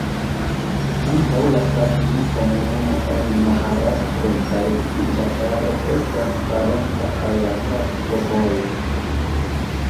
Ankaŭ la Savji-komunumo en Maharaŝtro kaj Guĝarato estas parenca al la Kati-popolo.